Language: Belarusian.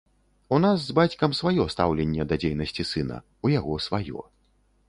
У нас з бацькам сваё стаўленне да дзейнасці сына, у яго сваё.